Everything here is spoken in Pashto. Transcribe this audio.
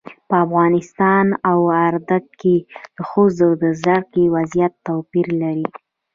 په افغانستان او اردن کې د ښځو د زده کړې وضعیت توپیر لري.